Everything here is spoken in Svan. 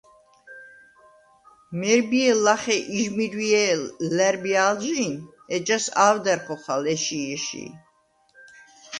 მერბიე̄ლ ლახე იჟმირვჲე̄ლ ლა̈რბია̄ლჟი̄ნ, ეჯას ა̄ვდა̈რ ხოხალ ეში̄-ეში̄.